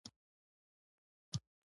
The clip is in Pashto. ماضي د بشپړ عمل ډول دئ.